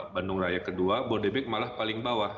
bandung raya kedua bodebek malah paling bawah